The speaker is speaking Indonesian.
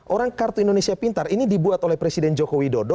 orang kartu indonesia pintar ini dibuat oleh presiden joko widodo